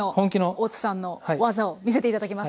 大津さんの技を見せて頂きます。